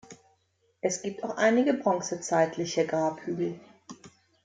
Es gibt auch einige bronzezeitliche Grabhügel.